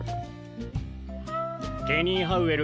ケニー・ハウエル